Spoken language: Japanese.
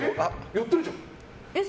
やってるじゃん。